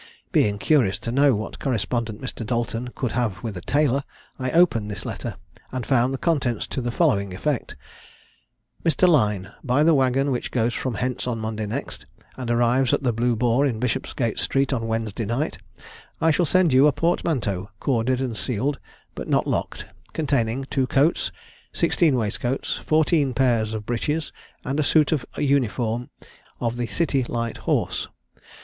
Being curious to know what correspondence Mr. Dalton could have with a tailor, I opened this letter, and found the contents to the following effect: 'Mr. Lyne, By the waggon which goes from hence on Monday next, and arrives at the Blue Boar in Bishopsgate Street on Wednesday night, I shall send you a portmanteau corded and sealed, but not locked, containing two coats, sixteen waistcoats, fourteen pair of breeches, and a suit of uniform of the City Light Horse.